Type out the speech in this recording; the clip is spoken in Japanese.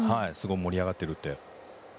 盛り上がっているって。